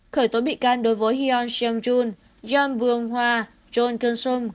khởi tố bị can đối với hyun sung joon jeon bung hwa jeon kyung sung